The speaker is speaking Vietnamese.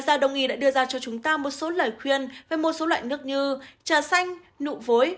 ra đồng ý đã đưa ra cho chúng ta một số lời khuyên về một số loại nước như trà xanh nụ vối